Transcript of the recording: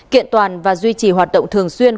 kiện toàn và duy trì hoạt động thường xuyên